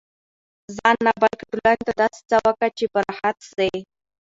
ځان نه، بلکي ټولني ته داسي څه وکه، چي په راحت سي.